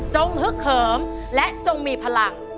ฮึกเหิมและจงมีพลัง